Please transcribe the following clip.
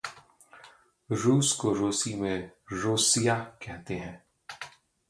"रूस को रूसी में "रोस्सिया" कहते है।"